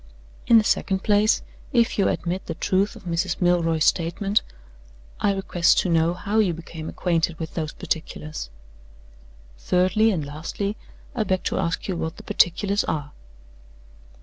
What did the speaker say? In the second place, if you admit the truth of Mrs. Milroy's statement, I request to know how you became acquainted with those particulars? Thirdly, and lastly, I beg to ask you what the particulars are?